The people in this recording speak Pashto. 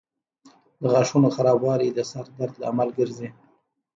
د غاښونو خرابوالی د سر درد لامل ګرځي.